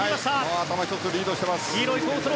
頭１つリードしています。